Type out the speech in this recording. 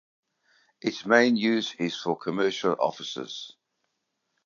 Its main use is for commercial offices.